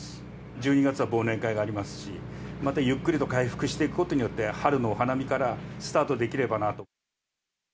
１２月は忘年会がありますし、またゆっくりと回復していくことによって、春のお花見からスタートできればなと。